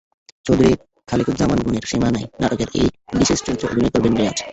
চৌধুরী খালেকুজ্জামানের গুণের সীমা নাই নাটকে একটি বিশেষ চরিত্রে অভিনয় করবেন রিয়াজ।